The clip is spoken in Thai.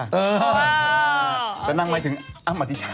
อาทิตรังจะไปแวงกันทำไมละ